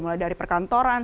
mulai dari perkantoran